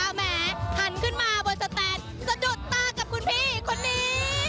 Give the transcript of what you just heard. แหมหันขึ้นมาบนสแตนสะดุดตากับคุณพี่คนนี้